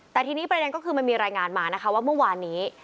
แต่ทีนี้ประเด็นก็คือมันมีรายงานมานะคะว่าเมื่อวานนี้